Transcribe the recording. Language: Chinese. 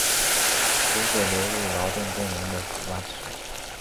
湖水流入劳动公园的荷花池。